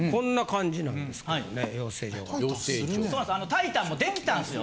タイタンもできたんすよ